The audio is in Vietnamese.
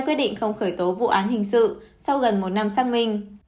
quyết định không khởi tố vụ án hình sự sau gần một năm xác minh